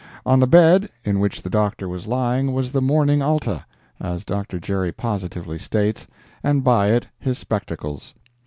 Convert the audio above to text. On the bed in which the Doctor was lying was the Morning Alta, as Dr. Gerry positively states, and by it his spectacles.